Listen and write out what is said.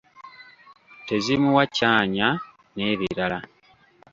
Tezimuwa kyanya n’ebirala